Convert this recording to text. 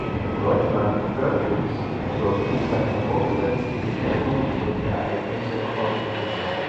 Leutnant Perkins überbringt seinem Vorgesetzten die Meldung über die Ereignisse im Eurotunnel.